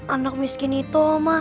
anak miskin itu omah